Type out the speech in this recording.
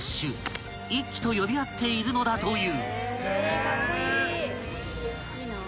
［と呼び合っているのだという］